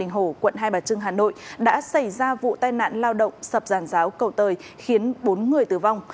hồ quận hai bà trưng hà nội đã xảy ra vụ tai nạn lao động sập giàn giáo cầu tời khiến bốn người tử vong